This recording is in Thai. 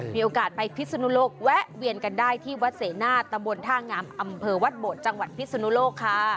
มีโอกาสไปพิศนุโลกแวะเวียนกันได้ที่วัดเสนาตำบลท่างามอำเภอวัดโบดจังหวัดพิศนุโลกค่ะ